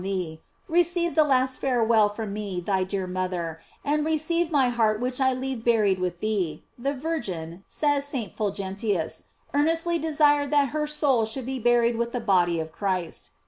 588 GLORIES OP MARY thee, receive the last farewell from me tny deaf mother, and receive my heart which I leave bur ied with thee. The Virgin, says St. Fulgentius, earnestly desired that her soul should be buried with the body of Christ.